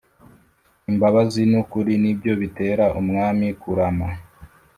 imbabazi n’ukuri ni byo bitera umwami kurama